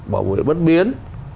bảo vệ bất biến